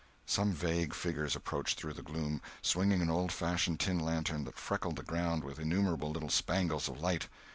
Some vague figures approached through the gloom, swinging an old fashioned tin lantern that freckled the ground with innumerable little spangles of light.